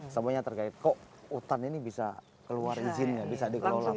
sebenarnya terkaget kok hutan ini bisa keluar izinnya bisa dikelola perhutanan